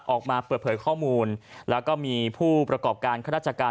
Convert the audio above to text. ออกมาเปิดเผยข้อมูลแล้วก็มีผู้ประกอบการข้าราชการ